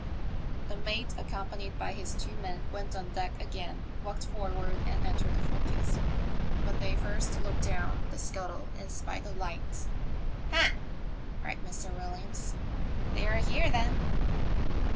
The mate, accompanied by his two men, went on deck again, walked forward and entered the forecastle ; but they first looked down the scuttle and spied a light. " Ha !" cried Mr. WilUams, " they're here then."